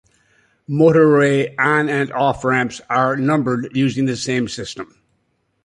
Motorway on- and off-ramps are numbered using the same system.